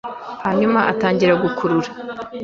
Hanyuma atangira gukurura